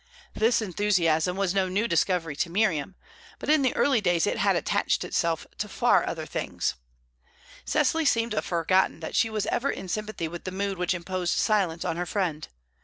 This enthusiasm was no new discovery to Miriam, but in the early days it had attached itself to far other things. Cecily seemed to have forgotten that she was ever in sympathy with the mood which imposed silence on her friend.